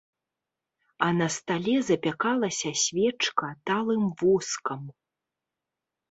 А на стале запякалася свечка талым воскам.